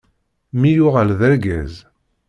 Mmi yuɣal d argaz.